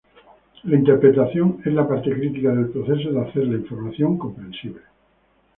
La interpretación es la parte crítica del proceso de hacer la información comprensible.